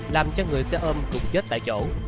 làm cho người xe ôm cùng chết tại chỗ